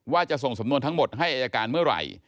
ว่าจะส่งสำนวนทั้งหมดให้อายการเมื่อไหร่